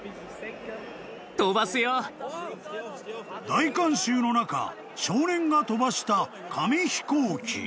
［大観衆の中少年が飛ばした紙飛行機］